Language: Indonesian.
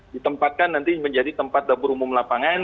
ditempatkan nanti menjadi tempat dapur umum lapangan